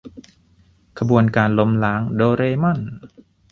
ขบวนการล้มล้างโดเรม่อน !